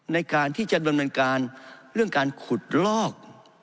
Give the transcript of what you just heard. ในการที่จะดำเนินการเรื่องการขุดลอก